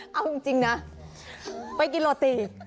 เอาจริงนะไปกิโลตี